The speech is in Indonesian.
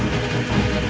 mujumlah kau putriku